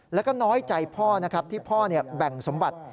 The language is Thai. แล้วก็น้อยใจพ่อนะครับที่พ่อแบ่งสมบัติ